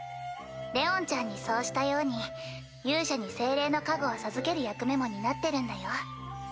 レオンちゃんにそうしたように勇者に精霊の加護を授ける役目も担ってるんだよ。